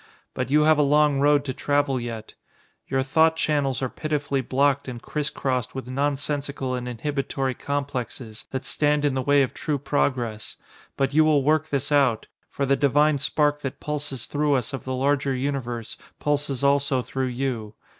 But you have a long road to travel yet. Your thought channels are pitifully blocked and criss crossed with nonsensical and inhibitory complexes that stand in the way of true progress. But you will work this out, for the Divine Spark that pulses through us of the Larger Universe, pulses also through you.